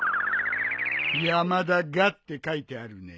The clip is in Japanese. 「山田が」って書いてあるね。